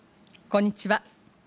こんにちは。